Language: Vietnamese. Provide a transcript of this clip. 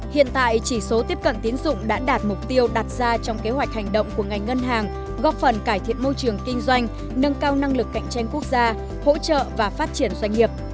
hiện tại chỉ số tiếp cận tiến dụng đã đạt mục tiêu đặt ra trong kế hoạch hành động của ngành ngân hàng góp phần cải thiện môi trường kinh doanh nâng cao năng lực cạnh tranh quốc gia hỗ trợ và phát triển doanh nghiệp